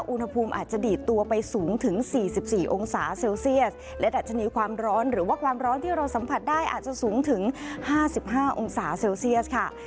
อุณหภูมิอาจจะดีดตัวไปสูงถึง๔๔องศาเซลเซียสและดัชนีความร้อนหรือว่าความร้อนที่เราสัมผัสได้อาจจะสูงถึง๕๕องศาเซลเซียสค่ะ